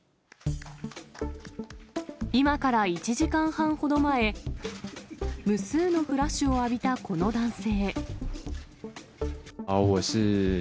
今から１時間半ほど前、無数のフラッシュを浴びたこの男性。